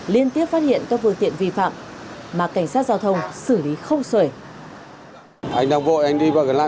liên tiếp phát hiện các phương tiện vi phạm mà cảnh sát giao thông xử lý không xuể